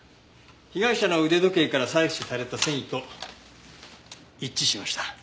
被害者の腕時計から採取された繊維と一致しました。